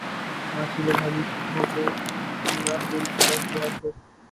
معاشی بدحالی ہو توامراء پہ اس کا کیا اثر؟